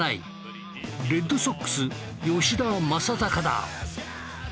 レッドソックス吉田正尚だ。